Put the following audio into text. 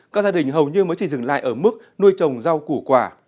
các gia đình hầu như mới chỉ dừng lại ở mức nuôi trồng rau củ quả